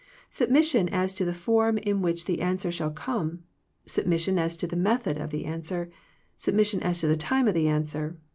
Sub mission as to the form in which the answer shall come ; submission as to the method of the answer ; submission as to the time of the answer.